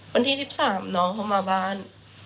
วันที่๑๓น้องเขามาบ้าน